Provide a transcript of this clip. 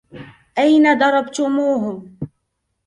أين ضربتموهم ؟